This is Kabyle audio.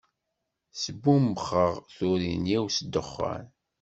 Sbumbxeɣ turin-iw s ddexxan.